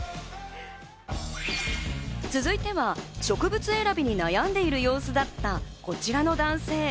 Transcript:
続いては植物選びに悩んでいる様子だったこちらの男性。